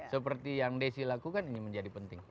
seperti yang desi lakukan ini menjadi penting